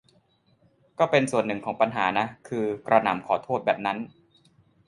ก็เป็นส่วนหนึ่งของปัญหานะ คือกระหน่ำขอโทษแบบนั้น